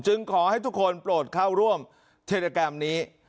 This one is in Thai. ขอให้ทุกคนโปรดเข้าร่วมเทรกรรมนี้